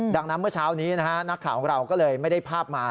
ดังนั้นเมื่อเช้านี้นะฮะนักข่าวของเราก็เลยไม่ได้ภาพมา